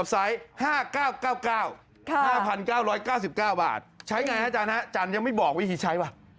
๖๙๙บาทใช้ไงนะจันนะจันยังไม่บอกวิธีใช้ว่ะ